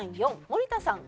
４森田さん